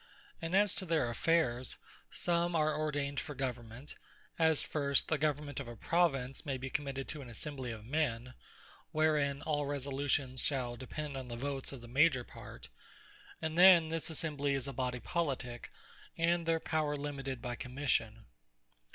And as to their affaires, some are ordained for Government; As first, the Government of a Province may be committed to an Assembly of men, wherein all resolutions shall depend on the Votes of the major part; and then this Assembly is a Body Politique, and their power limited by Commission.